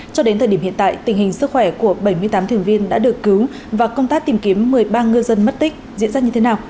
cho đến thời điểm hiện tại tình hình sức khỏe của bảy mươi tám thuyền viên đã được cứu và công tác tìm kiếm một mươi ba ngư dân mất tích diễn ra như thế nào